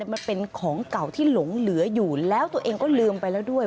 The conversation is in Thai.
มันเป็นของเก่าที่หลงเหลืออยู่แล้วตัวเองก็ลืมไปแล้วด้วย